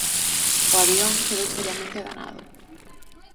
O avión quedou seriamente danado.